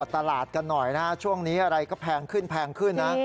ตลาดกันหน่อยนะช่วงนี้อะไรก็แพงขึ้นแพงขึ้นนะ